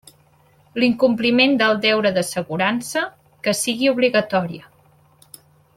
L'incompliment del deure d'assegurança, que sigui obligatòria.